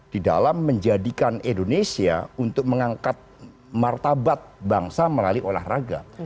di dalam menjadikan indonesia untuk mengangkat martabat bangsa melalui olahraga